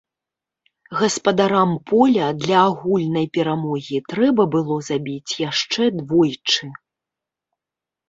Гаспадарам поля для агульнай перамогі трэба было забіць яшчэ двойчы.